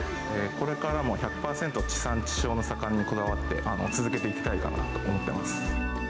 これからも１００％地産地消の魚にこだわって、続けていきたいかなと思ってます。